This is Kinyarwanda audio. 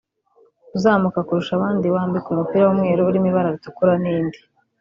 uzamuka kurusha abandi wambikwa umupira w’umweru urimo ibara ritukura n’indi